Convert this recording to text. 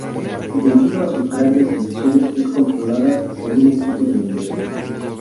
Debido a sus grandes dimensiones es controlada por un equipo de bomberos.